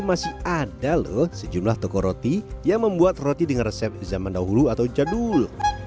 masih ada loh sejumlah toko roti yang membuat roti dengan resep di zaman dahulu atau jadul